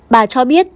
bà cho biết